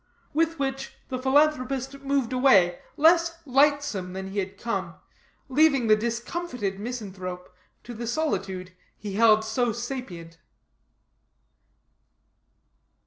With which the philanthropist moved away less lightsome than he had come, leaving the discomfited misanthrope to the solitude he held so sapient.